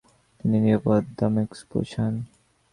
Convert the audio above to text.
তিনি নিরাপদে দামেস্ক পৌঁছান।